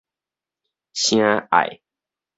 唌愛